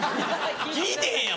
聞いてへんやん